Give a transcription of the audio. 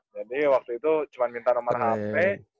jadi waktu itu cuma minta nomor hp